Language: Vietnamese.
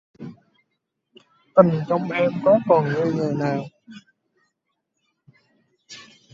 Tình trong em có còn như ngày nao